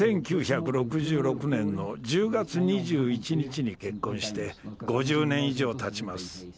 １９６６年の１０月２１日に結婚して５０年以上たちます。